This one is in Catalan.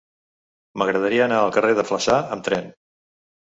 M'agradaria anar al carrer de Flaçà amb tren.